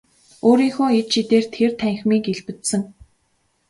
Өөрийнхөө ид шидээр тэр танхимыг илбэдсэн.